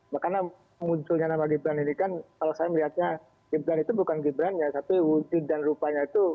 makanya munculnya nama gibran ini kan kalau saya melihatnya gibran itu bukan gibran ya tapi dan rupanya itu